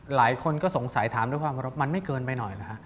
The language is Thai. หลายคนก็สงสัยถามด้วยความว่ามันไม่เกินไปหน่อยนะฮะ